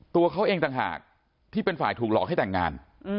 ตัวเขาเองต่างหากที่เป็นฝ่ายถูกหลอกให้แต่งงาน